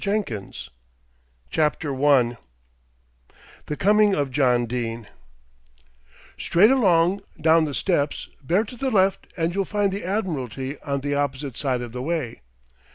JOHN DENE OF TORONTO CHAPTER I THE COMING OF JOHN DENE "Straight along, down the steps, bear to the left and you'll find the Admiralty on the opposite side of the way."